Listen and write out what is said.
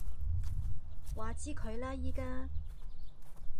話之佢啦而家